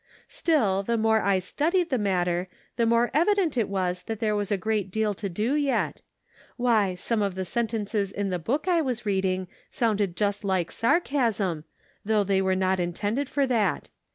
' Still, the more I studied the matter, the more evident 494 The Pocket Measure. it was that there was a great deal to do yet. Why, some of the sentences in the book I was reading sounded just like sarcasm, though they were not intended for that.